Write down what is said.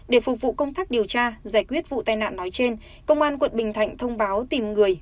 để phục vụ công tác điều tra giải quyết vụ tai nạn nói trên công an quận bình thạnh thông báo tìm người